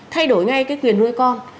thay đổi ngay cái quyền nuôi con